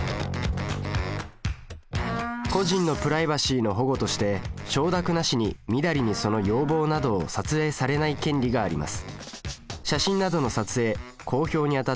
個人のプライバシーの保護として承諾なしにみだりにその容貌などを撮影されない権利があります。